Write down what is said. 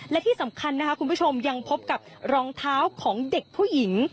และที่สำคัญนะคะคุณผู้ชมยังพบกับรองเท้าของเด็กผู้หญิง